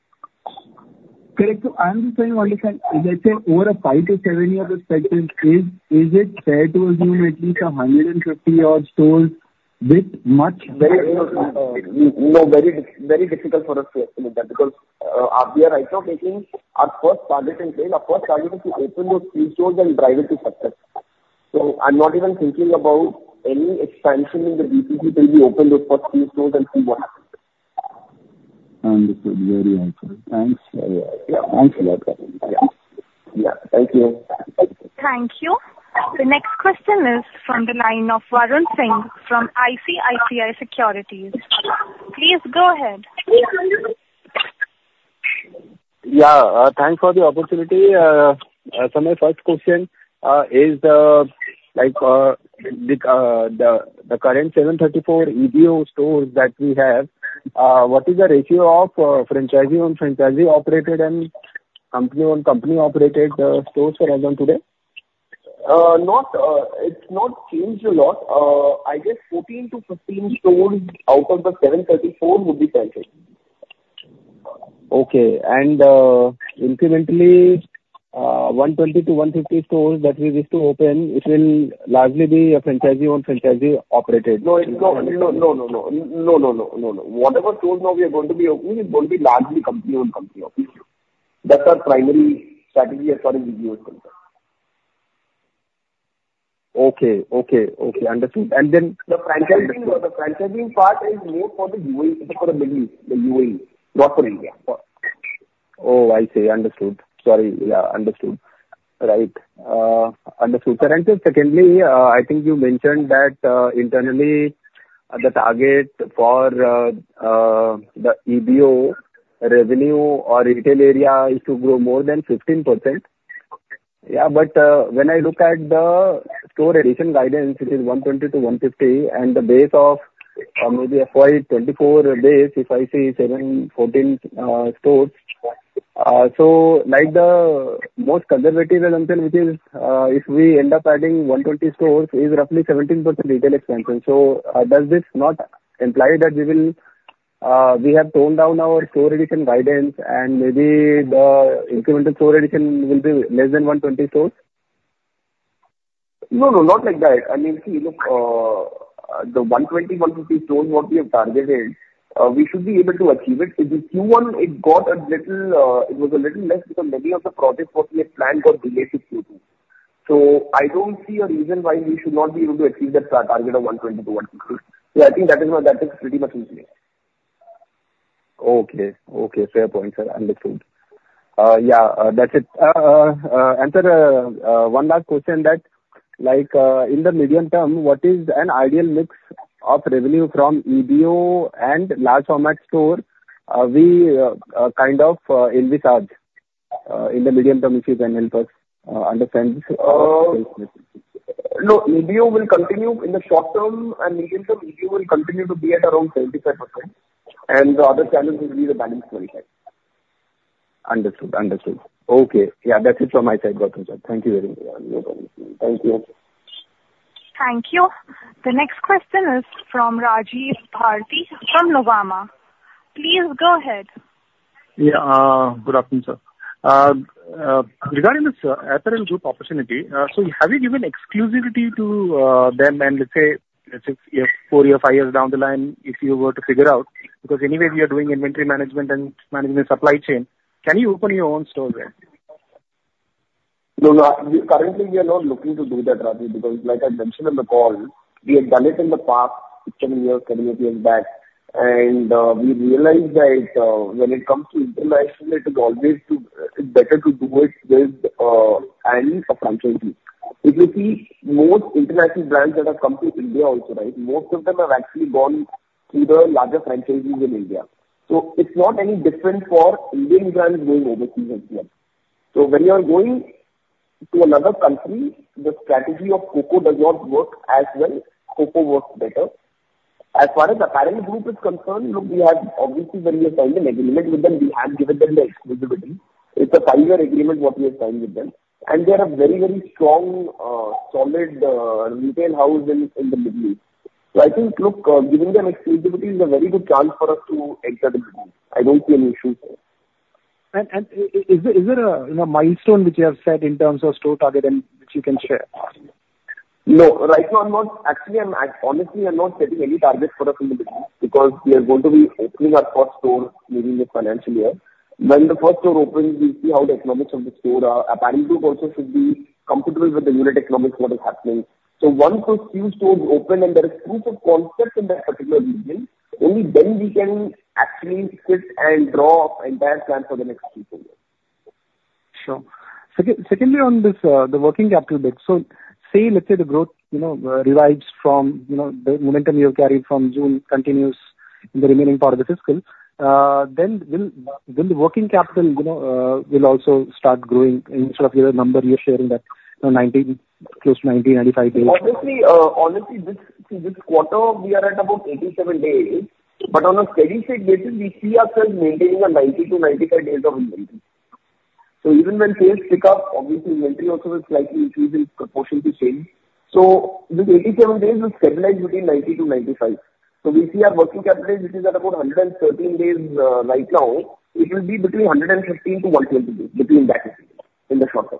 Priyank, so I'm just trying to understand, let's say, over a 5-7-year perspective, is it fair to assume at least 150-odd stores with much? No, very difficult for us to estimate that because we are right now taking our first target in place. Our first target is to open those 3 stores and drive it to success. So I'm not even thinking about any expansion in the GCC till we open those first 3 stores and see what happens. Understood. Very helpful. Thanks. Yeah. Thank you. Thank you. The next question is from the line of Varun Singh from ICICI Securities. Please go ahead. Yeah. Thanks for the opportunity. So my first question is the current 734 EBO stores that we have, what is the ratio of franchise owned franchise operated and company owned company operated stores as of today? It's not changed a lot. I guess 14-15 stores out of the 734 would be franchisee. Okay. Incrementally, 120-150 stores that we wish to open, it will largely be franchisee-owned, franchisee-operated? No, no, no, no, no, no, no, no, no, no, no. Whatever stores now we are going to be opening, it's going to be largely company-owned company-operated. That's our primary strategy as far as EBITDA is concerned. Okay. Okay. Okay. Understood. And then the franchisee part is more for the UAE, for the Middle East, the UAE, not for India. Oh, I see. Understood. Sorry. Yeah. Understood. Right. Understood. Priyank, so secondly, I think you mentioned that internally, the target for the <audio distortion> revenue or retail area is to grow more than 15%. Yeah. But when I look at the store addition guidance, which is 120-150, and the base of maybe FY2024 base, if I see 714 stores, so the most conservative assumption, which is if we end up adding 120 stores, is roughly 17% retail expansion. So does this not imply that we have toned down our store addition guidance, and maybe the incremental store addition will be less than 120 stores? No, no, not like that. I mean, see, look, the 120-150 stores what we have targeted, we should be able to achieve it. In Q1, it was a little less because many of the projects what we had planned got delayed to Q2. So I don't see a reason why we should not be able to achieve that target of 120-150. So I think that is why that is pretty much increased. Okay. Okay. Fair point, sir. Understood. Yeah. That's it. Answer one last question that in the medium term, what is an ideal mix of revenue from EBITDA and large-format store? We kind of envisage in the medium term, if you can help us understand this case. No, EBITDA will continue in the short term and medium term. EBITDA will continue to be at around 75%. The other challenge will be the balance 25%. Understood. Understood. Okay. Yeah. That's it from my side, Gautam, sir. Thank you very much. Thank you. Thank you. The next question is from Rajiv Bharati from Nuvama. Please go ahead. Yeah. Good afternoon, sir. Regarding this Apparel Group opportunity, so have you given exclusivity to them? Let's say, let's say, 4 years, 5 years down the line, if you were to figure out, because anyway, we are doing inventory management and managing the supply chain, can you open your own stores there? No, no. Currently, we are not looking to do that, Rajiv, because like I mentioned in the call, we have done it in the past 15 years, 17 years back. We realized that when it comes to international, it is always better to do it with any franchisee. If you see, most international brands that have come to India also, right, most of them have actually gone through the larger franchisees in India. So it's not any different for Indian brands going overseas as well. So when you are going to another country, the strategy of COCO does not work as well. COCO works better. As far as Apparel Group is concerned, look, we have obviously when we have signed an agreement with them, we have given them the exclusivity. It's a 5-year agreement what we have signed with them. They are a very, very strong, solid retail house in the Middle East. I think, look, giving them exclusivity is a very good chance for us to enter the Middle East. I don't see any issues there. Is there a milestone which you have set in terms of store target and which you can share? No, right now, I'm not actually, honestly, I'm not setting any target for us in the Middle East because we are going to be opening our first store maybe in this financial year. When the first store opens, we'll see how the economics of the store are. Apparel Group also should be comfortable with the unit economics what is happening. So once those few stores open and there is proof of concept in that particular region, only then we can actually sit and draw our entire plan for the next three to four years. Sure. Secondly, on the working capital bit, so say, let's say, the growth revives from the momentum you have carried from June, continues in the remaining part of the fiscal, then will the working capital also start growing instead of the number you're sharing that close to 90-95 days? Honestly, see, this quarter, we are at about 87 days. But on a steady-state basis, we see ourselves maintaining a 90-95 days of inventory. So even when sales pick up, obviously, inventory also will slightly increase in proportion to sales. So with 87 days, we'll stabilize between 90-95. So we see our working capital base, which is at about 113 days right now, it will be between 115-120 days, between that in the short term.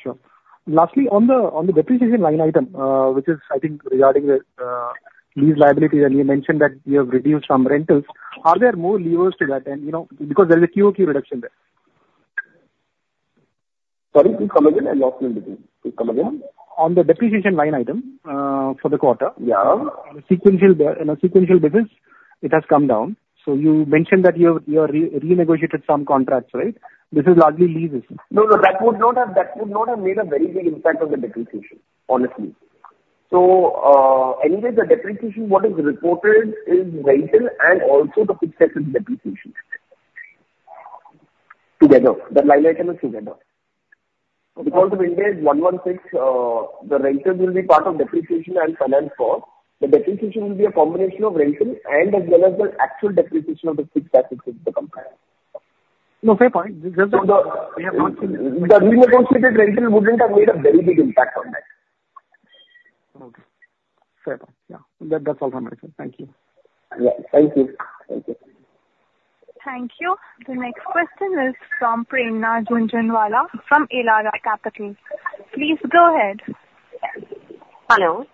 Sure. Lastly, on the depreciation line item, which is, I think, regarding these liabilities, and you mentioned that you have reduced some rentals, are there more levers to that end because there is a QOQ reduction there? Sorry, please come again? I lost my list. Please come again. On the depreciation line item for the quarter, on a sequential basis, it has come down. So you mentioned that you have renegotiated some contracts, right? This is largely leases. No, no. That would not have made a very big impact on the depreciation, honestly. So anyway, the depreciation what is reported is rental and also the fixed assets depreciation together, the line items together. Because of Ind AS 116, the rentals will be part of depreciation and finance cost. The depreciation will be a combination of rental and as well as the actual depreciation of the fixed assets of the company. No, fair point. So the renegotiated rental wouldn't have made a very big impact on that. Okay. Fair point. Yeah. That's all from my side. Thank you. Yeah. Thank you. Thank you. Thank you. The next question is from Prerna Jhunjhunwala from Elara Capital. Please go ahead. Hello.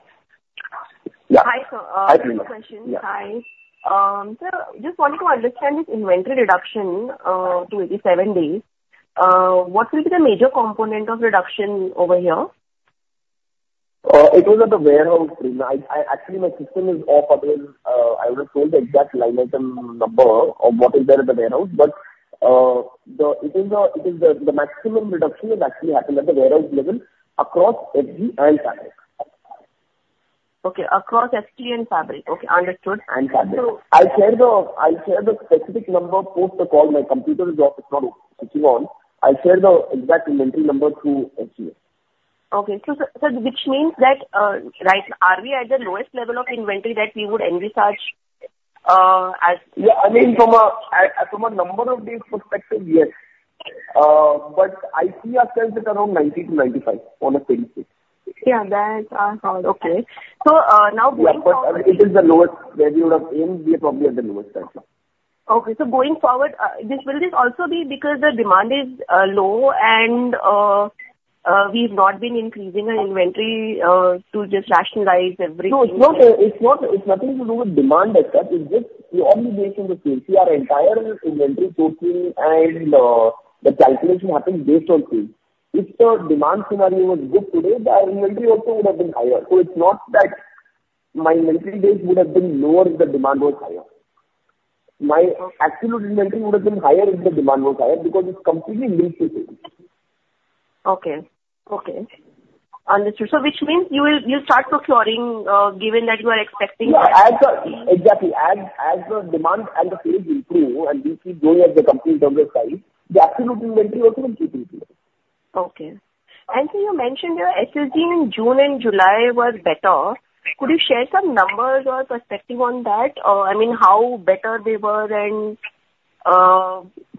Yeah. Hi, sir. Hi, Prerna. Hi. So just wanting to understand this inventory reduction to 87 days, what will be the major component of reduction over here? It was at the warehouse, Prerna. Actually, my system is off, otherwise, I would have told the exact line item number of what is there at the warehouse. But it is the maximum reduction that actually happened at the warehouse level across FG and Fabric. Okay. Across FG and Fabric. Okay. Understood. Fabric. I'll share the specific number post the call. My computer is off. It's not switching on. I'll share the exact inventory number to FG. Okay. Which means that, right, are we at the lowest level of inventory that we would envisage as? Yeah. I mean, from a number of days perspective, yes. But I see ourselves at around 90-95 on a steady state. Yeah. That's all. Okay. So now going forward. Yeah. But it is the lowest where we would have aimed. We are probably at the lowest right now. Okay. Going forward, will this also be because the demand is low and we've not been increasing our inventory to just rationalize everything? No, it's nothing to do with demand except. It's just the obligation to see. See, our entire inventory total and the calculation happens based on sales. If the demand scenario was good today, our inventory also would have been higher. So it's not that my inventory base would have been lower if the demand was higher. My absolute inventory would have been higher if the demand was higher because it's completely linked to sales. Okay. Okay. Understood. So which means you will start procuring given that you are expecting? Yeah. Exactly. As the demand and the sales improve and we keep growing as the company is on the side, the absolute inventory also will keep improving. Okay. And so you mentioned your SSG in June and July was better. Could you share some numbers or perspective on that? I mean, how better they were and?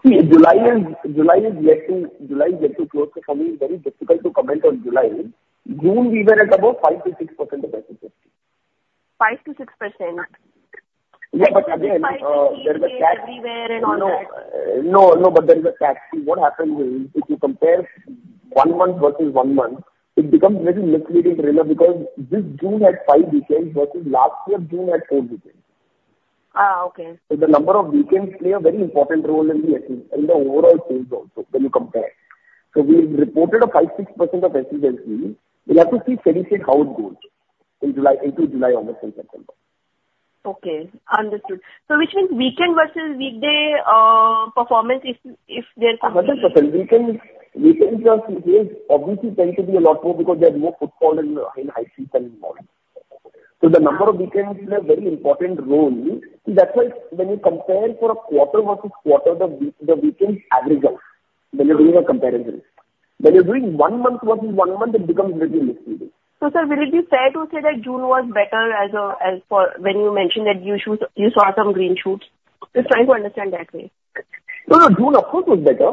See, July is yet to close. It's coming. It's very difficult to comment on July. June, we were at about 5%-6% SSG. 5%-6%. Yeah. But again, there's a tax. Sales everywhere and all that. No, no. But there's a catch. See, what happens is if you compare one month versus one month, it becomes very misleading because this June had five weekends versus last year, June had four weekends. Okay. The number of weekends plays a very important role in the overall sales also when you compare. We reported a 5.6% SSG. We'll have to see steady-state how it goes into July, August, and September. Okay. Understood. So which means weekend versus weekday performance if there's a weekend? 100%. Weekends obviously tend to be a lot more because there's more footfall and high season. So the number of weekends plays a very important role. See, that's why when you compare quarter-over-quarter, the weekends average out when you're doing a comparison. When you're doing one month-over-month, it becomes very misleading. Sir, will it be fair to say that June was better when you mentioned that you saw some green shoots? Just trying to understand that way. No, no. June, of course, was better.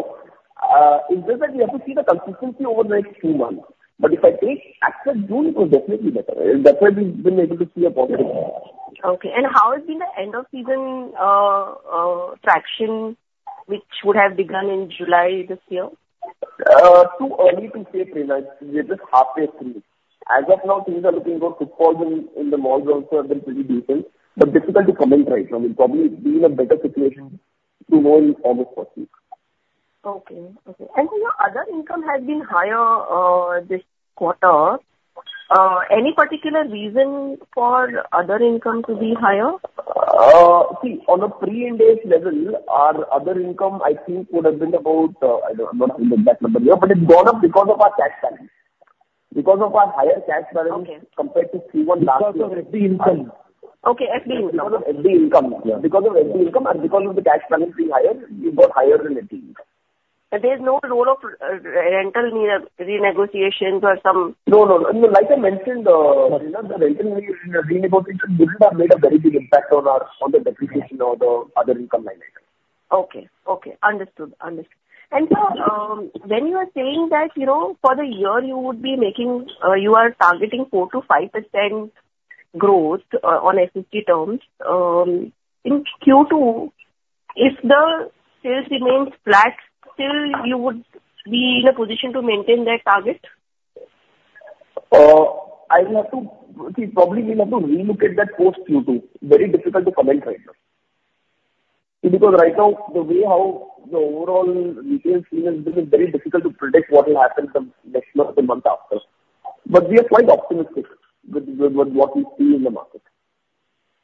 It's just that we have to see the consistency over the next few months. But if I take active June, it was definitely better. That's why we've been able to see a positive reaction. Okay. And how has been the end-of-season traction, which would have begun in July this year? Too early to say, Prerna. We are just halfway through. As of now, things are looking good. Footfall in the malls also has been pretty decent. But difficult to comment right now. We'll probably be in a better situation to know in August first week. Okay. Okay. And so your other income has been higher this quarter. Any particular reason for other income to be higher? See, on a pre-Ind AS level, our other income, I think, would have been about, I don't know that number here. But it's gone up because of our cash balance, because of our higher cash balance compared to Q1 last year. Because of FD income. Okay. FD income. Because of FD income. Yeah. Because of FD income and because of the cash balance being higher, we got higher in FD income. There's no role of rental renegotiations or some? No, no. Like I mentioned, the rental renegotiation wouldn't have made a very big impact on the depreciation or the other income line item. Okay. Okay. Understood. Understood. Sir, when you are saying that for the year, you are targeting 4%-5% growth on SSG terms. In Q2, if the sales remain flat, still you would be in a position to maintain that target? I will have to see. Probably we'll have to relook at that post-Q2. Very difficult to comment right now. See, because right now, the way how the overall retail scene is, it is very difficult to predict what will happen the next month and month after. But we are quite optimistic with what we see in the market.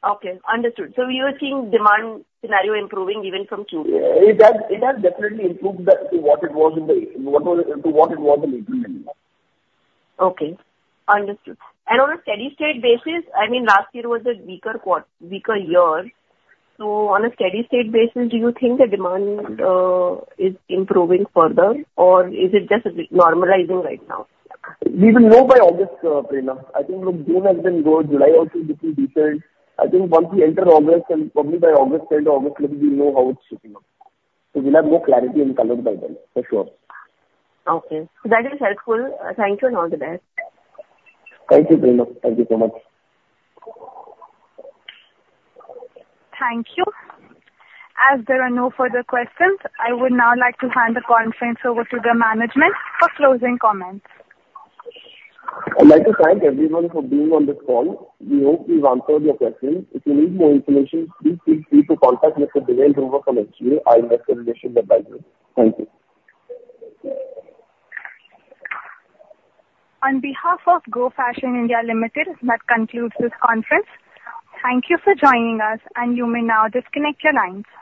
Okay. Understood. So you are seeing demand scenario improving even from Q2? It has definitely improved to what it was in April and May. Okay. Understood. And on a steady-state basis, I mean, last year was a weaker year. So on a steady-state basis, do you think the demand is improving further, or is it just normalizing right now? We will know by August, Prerna. I think, look, June has been good. July also looking decent. I think once we enter August, and probably by August end, August, look, we'll know how it's shaping up. So we'll have more clarity and colors by then, for sure. Okay. That is helpful. Thank you and all the best. Thank you, Prerna. Thank you so much. Thank you. As there are no further questions, I would now like to hand the conference over to the management for closing comments. I'd like to thank everyone for being on this call. We hope we've answered your questions. If you need more information, please feel free to contact Mr. Deven Dhruva from SGA. I'll make arrangements that guide you. Thank you. On behalf of Go Fashion (India) Limited, that concludes this conference. Thank you for joining us, and you may now disconnect your lines.